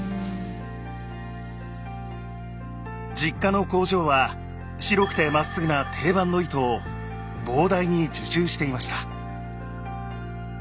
実家の工場は白くてまっすぐな定番の糸を膨大に受注していました。